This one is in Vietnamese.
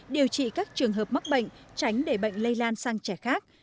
điều trị các trường hợp mắc bệnh tránh để bệnh lây lan sang trẻ khác